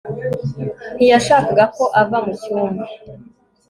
ntiyashakaga ko ava mu cyumba